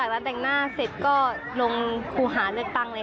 อยู่๒๐ปี